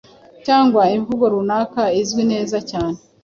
cyangwa imvugo runaka izwi neza cyane.